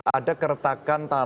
ada keretakan tanah